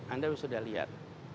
anda sudah lihat